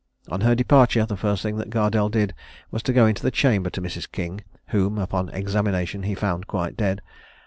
On her departure, the first thing that Gardelle did was to go into the chamber to Mrs. King, whom, upon examination, he found quite dead.